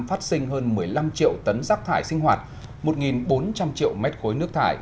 phát sinh hơn một mươi năm triệu tấn rác thải sinh hoạt một bốn trăm linh triệu mét khối nước thải